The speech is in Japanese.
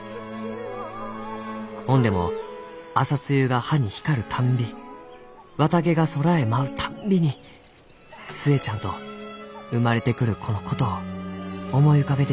ほんでも朝露が葉に光るたんび綿毛が空へ舞うたんびに寿恵ちゃんと生まれてくる子のことを思い浮かべてしまうがじゃ」。